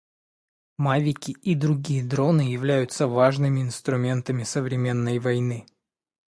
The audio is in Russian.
Мавики и другие дроны являются важными инструментами современной войны.